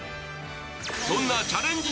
そんなチャレンジ